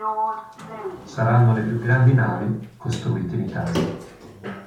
Saranno le più grandi navi costruite in Italia.